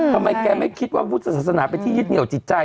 ทำไมแกไม่คิดว่าพุทธศาสนาเป็นที่ยึดเหนียวจิตใจ